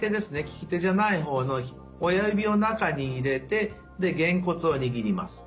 利き手じゃない方の親指を中に入れてでげんこつをにぎります。